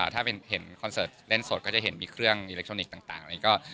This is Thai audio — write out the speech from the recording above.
ถ้าเป็นเห็นคอนเสิร์ตเล่นสดก็จะเห็นมีเครื่องอิเล็กทรอนิกส์ต่างอะไรก็